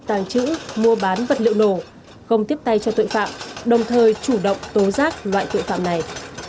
tàng trữ mua bán vật liệu nổ không tiếp tay cho tội phạm đồng thời chủ động tố giác loại tội phạm này